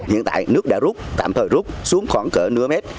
hiện tại nước đã rút tạm thời rút xuống khoảng cỡ nửa mét